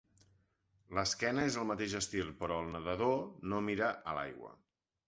L'esquena és el mateix estil però el nedador no mira a l'aigua.